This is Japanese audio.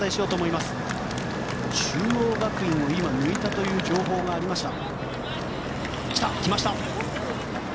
中央学院を抜いたという情報がありました。